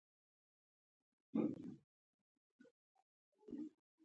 طالبان مذهبي فاشیستان هم نه شو بللای.